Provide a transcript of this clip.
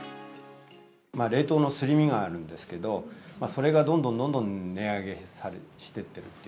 冷凍のすり身があるんですけど、それがどんどんどんどん値上げしてってるっていう。